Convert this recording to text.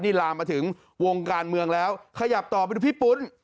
นี่ลามมาถึงวงการเมืองแล้วขยับต่อไปดูพี่ปุ้น